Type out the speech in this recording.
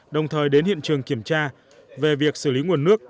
đồng thời đến hiện trường kiểm tra về việc xử lý nguồn nước